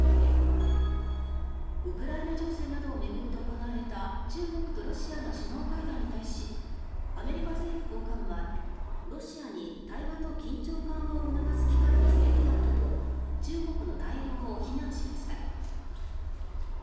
ウクライナ情勢などを巡って行われた中国とロシアの首脳会談に対しアメリカ政府高官はロシアに対話と緊張緩和を促す機会にすべきだったと中国の対応を非難しました。